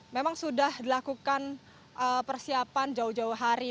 memang sudah dilakukan persiapan jauh jauh hari